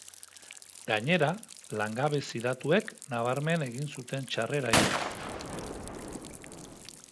Gainera, langabezi datuek nabarmen egin zuten txarrera iaz.